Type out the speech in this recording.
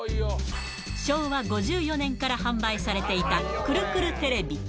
昭和５４年から販売されていたくるくるテレビ。